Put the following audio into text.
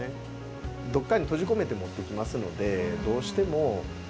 どっかに閉じ込めて持ってきますのでどうしても状態悪い。